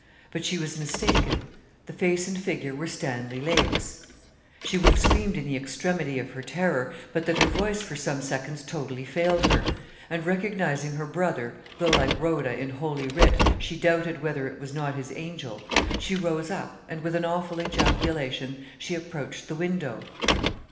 But she was mistaken; the face and figure were Stanley Lake's. She would have screamed in the extremity of her terror, but that her voice for some seconds totally failed her; and recognising her brother, though like Rhoda, in Holy Writ, she doubted whether it was not his angel, she rose up, and with an awful ejaculation, she approached the window.